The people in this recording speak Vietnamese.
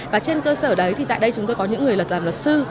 và trên cơ sở đấy thì tại đây chúng tôi có những người là làm luật sư